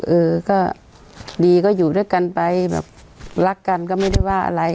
เออก็ดีก็อยู่ด้วยกันไปแบบรักกันก็ไม่ได้ว่าอะไร